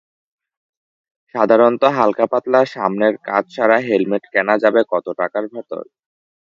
সাধারণত হালকাপাতলা সামনের কাচ ছাড়া হেলমেট কেনা যাবে কত টাকার ভেতর?